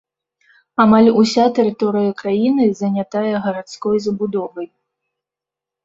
Амаль уся тэрыторыя краіны занятая гарадской забудовай.